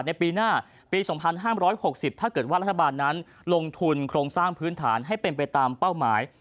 ในปีหน้าปี๒๕๖๐ถ้าเกิดว่ารัฐบาลนั้นลงทุนโครงสร้างพื้นฐานให้เป็นไปตามเป้าหมาย